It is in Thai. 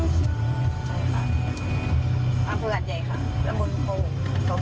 ถ่ายค่า